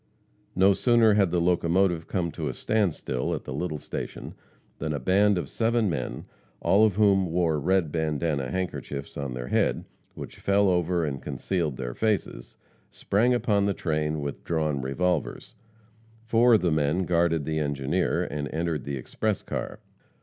No sooner had the locomotive come to a standstill at the little station, than a band of seven men, all of whom wore red bandana handkerchiefs on their heads, which fell over and concealed their faces, sprang upon the train with drawn revolvers. Four of the men guarded the engineer, and entered the express car.